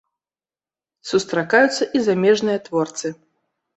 Сустракаюцца і замежныя творцы.